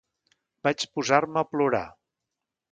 Vaig posar-me a plorar.